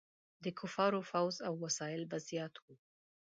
د کفارو فوځ او وسایل به زیات وو.